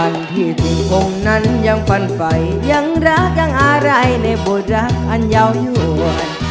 อันที่ถึงพงษ์นั้นยังปันไปยังรักยังอะไรในบทรัพย์อันยาวให้อ่วน